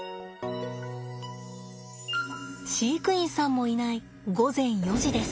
飼育員さんもいない午前４時です。